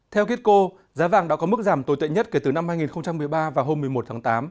theo kitco giá vàng đã có mức giảm tồi tệ nhất kể từ năm hai nghìn một mươi ba và hôm một mươi một tháng tám